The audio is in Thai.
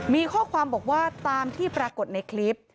มีข้อความบอกว่าตามที่ปรากฏในคลิป